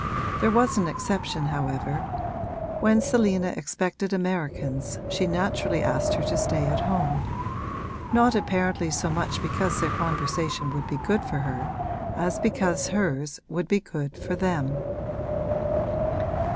There was an exception however; when Selina expected Americans she naturally asked her to stay at home: not apparently so much because their conversation would be good for her as because hers would be good for them.